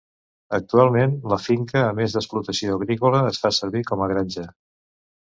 Actualment, la finca, a més d'explotació agrícola, es fa servir com a granja.